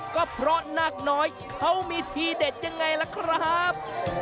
ก็เพราะนาคน้อยเขามีทีเด็ดยังไงล่ะครับ